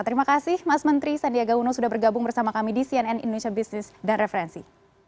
terima kasih mas menteri sandiaga uno sudah bergabung bersama kami di cnn indonesia business dan referensi